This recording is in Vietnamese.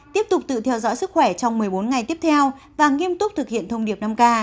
tiếp tục tự theo dõi sức khỏe trong một mươi bốn ngày tiếp theo và nghiêm túc thực hiện thông điệp năm k